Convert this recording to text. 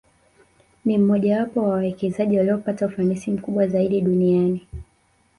Ni mmojawapo wa wawekezaji waliopata ufanisi mkubwa zaidi duniani